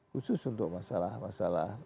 khusus untuk masalah masalah